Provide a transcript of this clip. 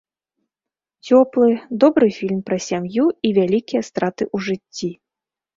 Цёплы, добры фільм пра сям'ю і вялікія страты ў жыцці.